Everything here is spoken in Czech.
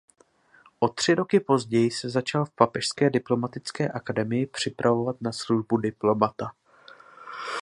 O tři roky později se začal v Papežské diplomatické akademii připravovat na službu diplomata.